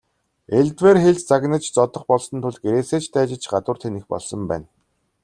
Элдвээр хэлж, загнаж зодох болсон тул гэрээсээ ч дайжиж гадуур тэнэх болсон байна.